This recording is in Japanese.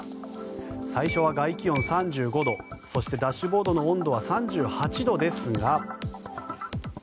最初は外気温３５度そしてダッシュボードの温度は３８度ですが。